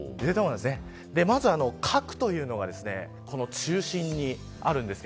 まず核というのが中心にあります。